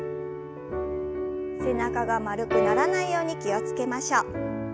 背中が丸くならないように気を付けましょう。